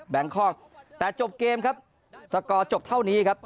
คอกแต่จบเกมครับสกอร์จบเท่านี้ครับ